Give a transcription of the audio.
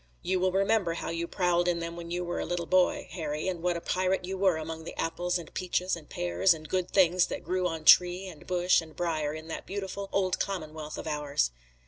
You will remember how you prowled in them when you were a little boy, Harry, and what a pirate you were among the apples and peaches and pears and good things that grew on tree and bush and briar in that beautiful old commonwealth of ours.